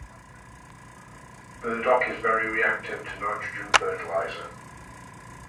Burdock is very reactive to nitrogen fertilizer.